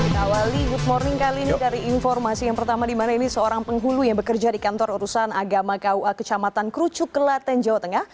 kita awali good morning kali ini dari informasi yang pertama dimana ini seorang penghulu yang bekerja di kantor urusan agama kua kecamatan krucuk kelaten jawa tengah